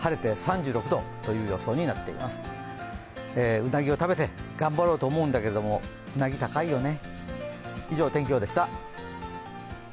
うなぎを食べて頑張ろうと思うんだけども、うなぎ、高いよね。